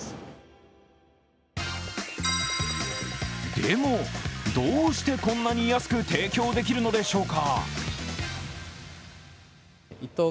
でも、どうしてこんなに安く提供できるのでしょうか。